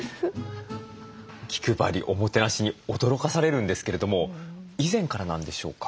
気配りおもてなしに驚かされるんですけれども以前からなんでしょうか？